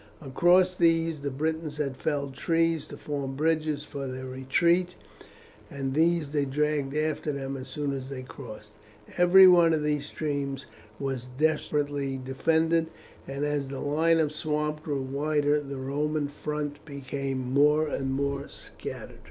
Across these the Britons had felled trees to form bridges for their retreat, and these they dragged after them as soon as they crossed. Every one of these streams was desperately defended, and as the line of swamp grew wider the Roman front became more and more scattered.